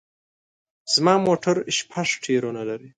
زما موټر شپږ ټیرونه لري